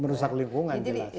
merusak lingkungan jelas